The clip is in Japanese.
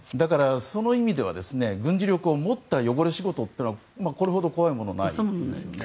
その意味では軍事力を持った汚れ仕事というのはこれほど怖いものはないですよね。